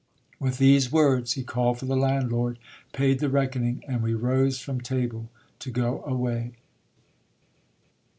With these words he called for the landlord, paid the reckoning, and we rose from table to go away.